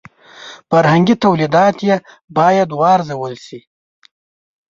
فرهنګي تولیدات یې باید وارزول شي.